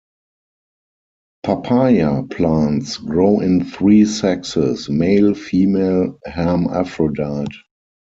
Papaya plants grow in three sexes: male, female, hermaphrodite.